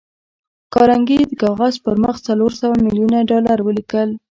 کارنګي د کاغذ پر مخ څلور سوه ميليونه ډالر ولیکل